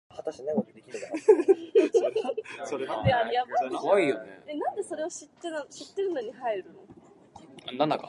Since then, the album has been reissued several times.